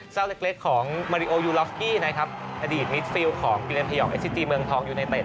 เจ้าเล็กของมาริโอยูล็อกกี้นะครับอดีตมิดฟิลของกิเลนพยองเอ็ซิตีเมืองทองยูไนเต็ด